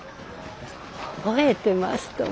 覚えてますとも。